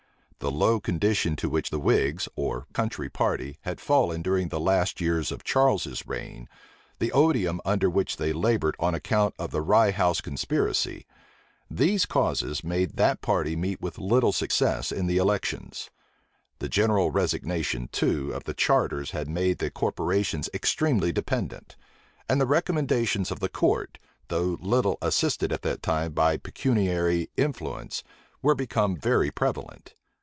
The low condition to which the whigs, or country party, had fallen during the last years of Charles's reign, the odium under which they labored on account of the Rye house conspiracy; these causes made that party meet with little success in the elections. The general resignation, too, of the charters had made the corporations extremely dependent; and the recommendations of the court, though little assisted at that time by pecuniary influence, were become very prevalent.